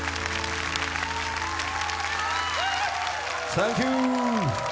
サンキュー！